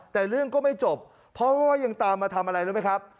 แต่เรื่องก็ไม่จบเพราะว่ายังตามมาทำอะไรรู้ไหมครับ